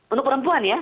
untuk perempuan ya